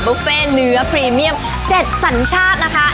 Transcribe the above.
บุฟเฟ่เนื้อพรีเมียม๗สัญชาตินะคะ